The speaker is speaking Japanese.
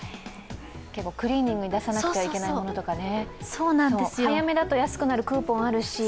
結構、クリーニングに出さなくちゃいけないものとかね。